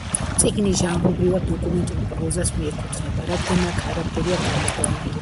წიგნი ჟანრობრივად დოკუმენტურ პროზას მიეკუთვნება, რადგან აქ არაფერია გამოგონილი.